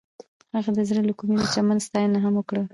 هغې د زړه له کومې د چمن ستاینه هم وکړه.